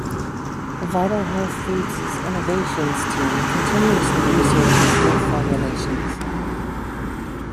Vital Health Foods' innovations team continuously researches new formulations.